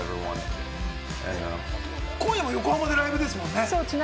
今夜も横浜でライブですもんね。